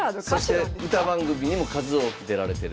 そして歌番組にも数多く出られてると。